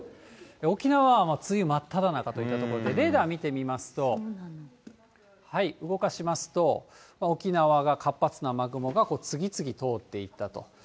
沖縄は梅雨真っただ中といったところで、レーダー見てみますと、動かしますと、沖縄が活発な雨雲が、次々通っていったと。